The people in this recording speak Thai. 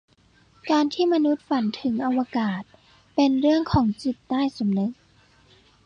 การที่มนุษย์ฝันถึงอวกาศ เป็นเรื่องของจิตใต้สำนึก